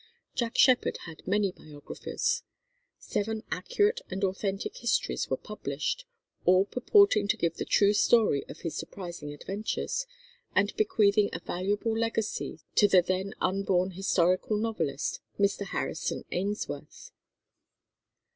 Jack Sheppard had many biographers. Seven accurate and authentic histories were published, all purporting to give the true story of his surprising adventures, and bequeathing a valuable legacy to the then unborn historical novelist, Mr. Harrison Ainsworth.